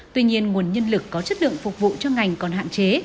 tuy nhiên nguồn nhân lực có chất lượng phục vụ cho ngành còn hạn chế